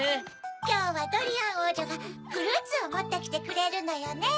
きょうはドリアンおうじょがフルーツをもってきてくれるのよね。